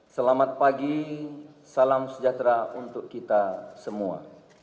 selamat pagi salam sejahtera untuk kita semua